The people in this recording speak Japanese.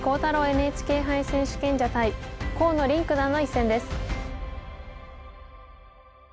ＮＨＫ杯選手権者対河野臨九段の一戦です。